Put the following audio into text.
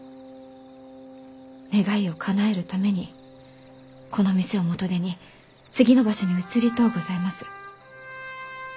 願いをかなえるためにこの店を元手に次の場所に移りとうございます。